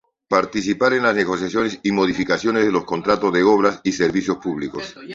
Participar en las negociaciones y modificaciones de los contratos de obras y servicios públicos.